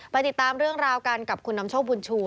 ติดตามเรื่องราวกันกับคุณนำโชคบุญชู